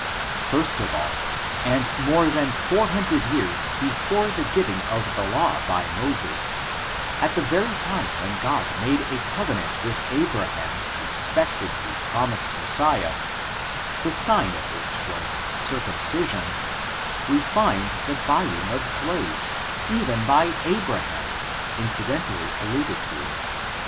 First of all, and ^I^k^%^^^^ '. FORTUNES, OF THE NEGRO RACE. more than four hundred years before the giving of the law by Moses, at the very time when God made a covenant with Abraham respecting the promised Messiah, the sign of which was circumcision, we find the buying of slaves, even by Abraham, incidentally alluded to.